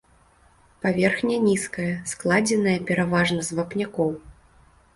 Паверхня нізкая, складзеная пераважна з вапнякоў.